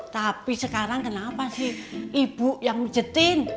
tapi sekarang kenapa sih ibu yang ngejetin